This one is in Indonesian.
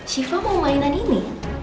shifah mau mainan ini